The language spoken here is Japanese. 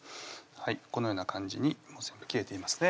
このような感じにもう全部切れていますね